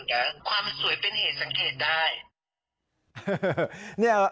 แต่ความสวยเป็นเหตุสังเกตได้